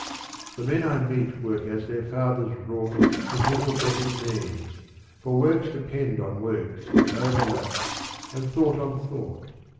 The men I meet work as their fathers wrought With little bettered means : for works depend On works and overlap, and thought on thought.